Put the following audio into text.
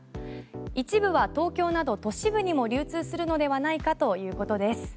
一部は東京など都市部にも流通するのではないかということです。